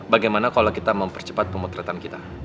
bagaimana kalau kita mempercepat pemotretan kita